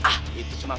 ah itu cuma pokoknya